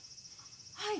はい。